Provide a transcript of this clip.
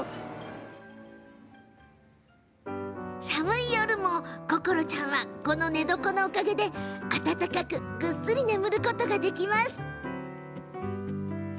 寒い夜も、ココロちゃんはこの寝床のおかげで暖かくぐっすり眠ることができます。